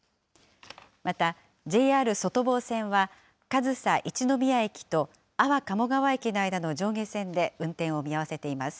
また、ＪＲ外房線は、上総一ノ宮駅と安房鴨川駅の間の上下線で運転を見合わせています。